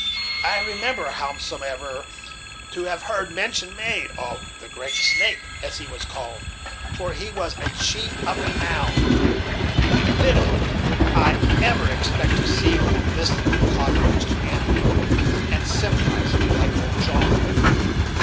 I remember, howsomever, to have heard mention made of the 'Great Snake,' as he was called, for he was a chief of renown; but little did I ever expect to see him enlisted in the cause of Christianity, and civilized like old John."